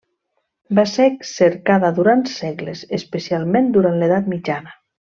Va ser cercada durant segles, especialment durant l'Edat Mitjana.